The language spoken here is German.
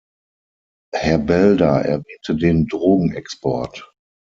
Herr Belder erwähnte den Drogenexport.